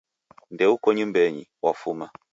Ndeuko nyumbenyi, wafuma